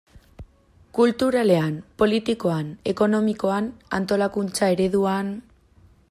Kulturalean, politikoan, ekonomikoan, antolakuntza ereduan...